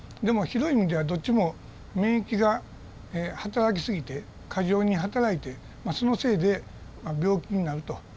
広い意味ではどっちも免疫がはたらき過ぎて過剰にはたらいてそのせいで病気になると。